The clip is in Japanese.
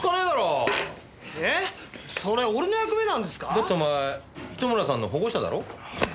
だってお前糸村さんの保護者だろ？